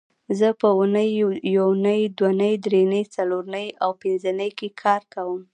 زه په اونۍ یونۍ دونۍ درېنۍ څلورنۍ او پبنځنۍ کې کار کوم